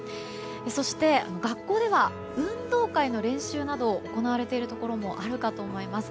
そして学校では運動会の練習などが行われているところもあるかと思います。